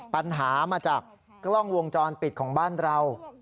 ปัญหามาจากกล้องวงจรปิดของบ้านเรา